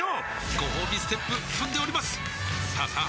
ごほうびステップ踏んでおりますさあさあ